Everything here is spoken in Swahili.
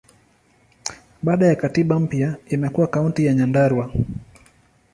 Baada ya katiba mpya, imekuwa Kaunti ya Nyandarua.